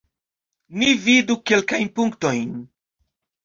Ni vidu kelkajn punktojn.